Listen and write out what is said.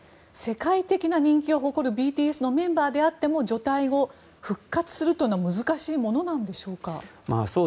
世界的な人気を誇るＢＴＳのメンバーであっても除隊後、復活するのは難しいものなんでしょうか。